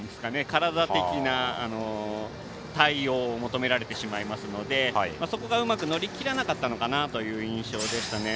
体的な対応を求められてしまいますのでそこがうまく乗り切らなかったかなという印象でしたね。